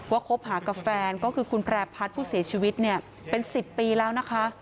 คบหากับแฟนก็คือคุณแพร่พัฒน์ผู้เสียชีวิตเนี่ยเป็น๑๐ปีแล้วนะคะ